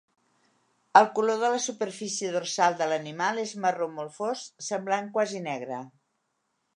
El color de la superfície dorsal de l'animal és marró molt fosc, semblant quasi negre.